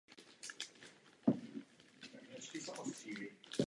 Už od dob svého studia působí v akademické samosprávě.